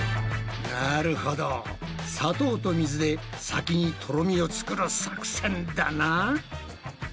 なるほど砂糖と水で先にとろみを作る作戦だな。